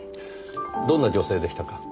どんな女性でしたか？